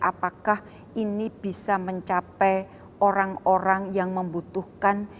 apakah ini bisa mencapai orang orang yang membutuhkan